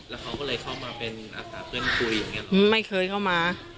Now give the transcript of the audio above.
แล้วเขาก็เลยเข้ามาเป็นอาสาเหล่นครู่ไม่เคยเข้ามา